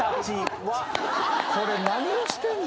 「これ何をしてんの？」